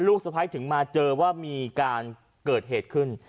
สะพ้ายถึงมาเจอว่ามีการเกิดเหตุขึ้น